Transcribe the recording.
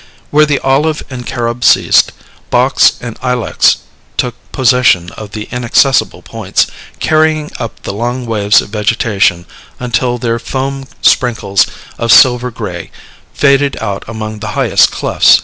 Where the olive and the carob ceased, box and ilex took possession of the inaccessible points, carrying up the long waves of vegetation until their foam sprinkles of silver gray faded out among the highest clefts.